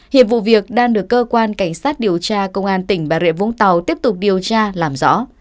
hiện vụ việc đang được cơ quan cảnh sát điều tra công an tỉnh bà rịa vũng tàu tiếp tục điều tra làm rõ